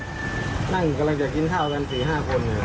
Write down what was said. นั่งกำลังจะกินข้าวกัน๔๕คน